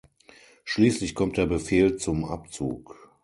Schließlich kommt der Befehl zum Abzug.